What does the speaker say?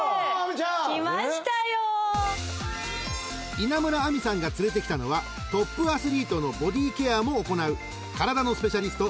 ［稲村亜美さんが連れてきたのはトップアスリートのボディケアも行う体のスペシャリスト］